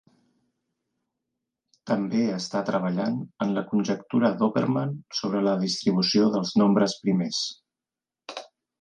També està treballant en la conjectura d'Oppermann sobre la distribució dels nombres primers.